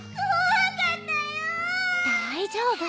大丈夫。